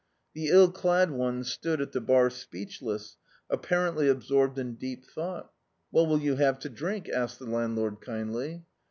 The ill clad me stood at the bar speediless, ap parently absorbed in deep thou^t. "What wilt you have to drink?" asked the landlord kindly.